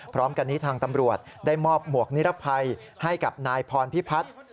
พร้อมกันนี้ทางตำรวจได้มอบหมวกนิรภัยให้กับนายพรพิพัฒน์